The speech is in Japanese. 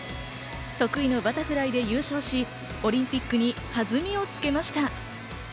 得意のバタフライで優勝し、オリンピックに弾みをつけました。